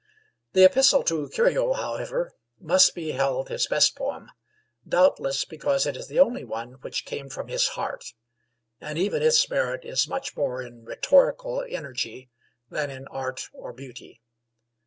The 'Epistle to Curio,' however, must be held his best poem, doubtless because it is the only one which came from his heart; and even its merit is much more in rhetorical energy than in art or beauty.